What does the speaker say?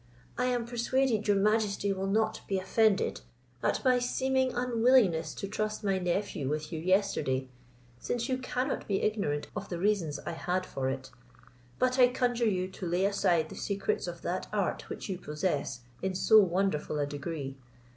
I am persuaded your majesty will not be offended at my seeming unwillingness to trust my nephew with you yesterday, since you cannot be ignorant of the reasons I had for it; but I conjure you to lay aside the secrets of that art which you possess in so wonderful a degree.